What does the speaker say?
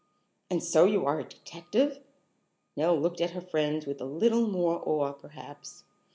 "And so you are a detective?" Nell looked at her friend with a little more awe, perhaps.